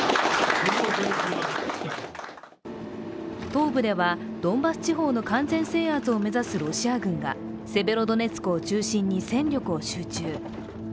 東部ではドンバス地方の完全制圧を目指すロシア軍がセベロドネツクを中心に戦力を集中。